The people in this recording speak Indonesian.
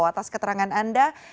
atas keterangan anda